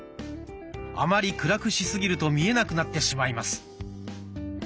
あまり暗くしすぎると見えなくなってしまいます。